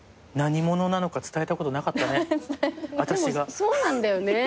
でもそうなんだよね。